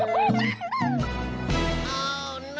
โอ้โอ้โอ้โอ้โอ้โอ้โอ้โอ้โอ้โอ้โอ้โอ้